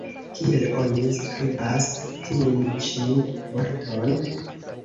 Kiel oni skribas tiun ĉi vorton?